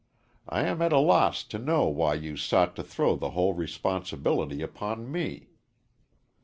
I am at a loss to know why you sought to throw the whole responsibility upon me.